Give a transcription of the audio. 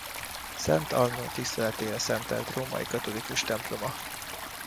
Szent Anna tiszteletére szentelt római katolikus temploma.